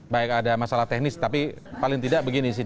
baik ada masalah teknis tapi paling tidak begini sih